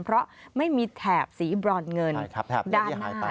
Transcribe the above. เพราะไม่มีแถบสีบรอดเงินด้านหน้า